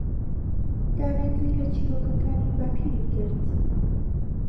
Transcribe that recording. دانا گوێی لە چیرۆکەکانی باپیری گرت.